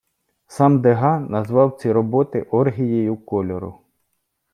Сам Дега назвав ці роботи оргією кольору.